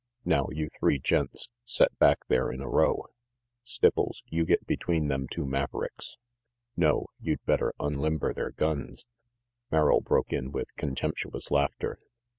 Now, you three gents, set back there in a row. Stipples, you get between them two mavericks no you'd better unlimber their guns Merrill broke in with contemptuous laughter.